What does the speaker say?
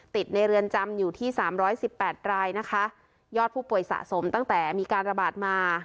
ติดในเรือนจำอยู่ที่๓๑๘รายนะคะยอดผู้ป่วยสะสมตั้งแต่มีการระบาดมา